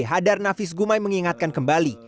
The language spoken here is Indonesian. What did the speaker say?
hadar nafis gumai mengingatkan kembali